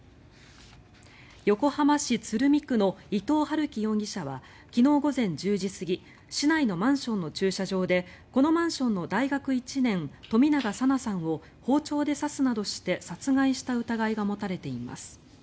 横浜市鶴見区の伊藤龍稀容疑者は昨日午前１０時過ぎ市内のマンションの駐車場でこのマンションの大学１年冨永紗菜さんを包丁で刺すなどして殺害した疑いが持たれています。